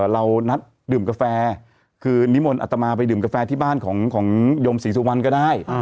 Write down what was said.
เรานัดดื่มกาแฟคือนิมนต์อัตมาไปดื่มกาแฟที่บ้านของโยมศรีสุวรรณก็ได้